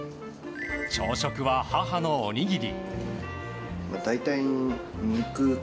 朝食は母のおにぎり。